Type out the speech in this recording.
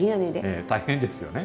ええ大変ですよね。